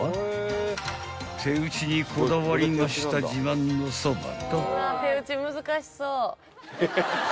［手打ちにこだわりました自慢のそばと］